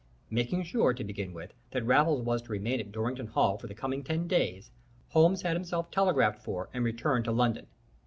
Making sure, to begin with, that Raffles was to remain at Dorrington Hall for the coming ten days, Holmes had himself telegraphed for and returned to London.